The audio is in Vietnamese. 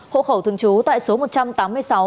hộ khẩu thương chú tại số một trăm tám mươi sáu